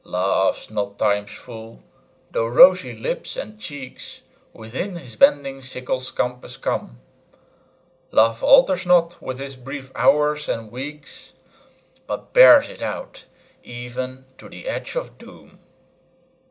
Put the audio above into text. Love's not Time's fool, though rosy lips and cheeks Within his bending sickle's compass come; Love alters not with his brief hours and weeks, But bears it out even to the edge of doom.